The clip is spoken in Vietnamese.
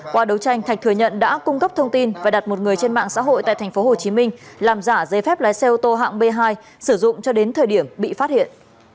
qua đấu tranh thạch thừa nhận đã cung cấp thông tin và đặt một người trên mạng xã hội tại thành phố hồ chí minh làm giả giấy phép lái xe ô tô hạng b hai sử dụng cho đến thời điểm bị phát hiện